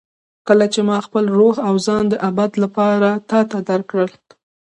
کله چې ما خپل روح او ځان د ابد لپاره تا ته درکړل.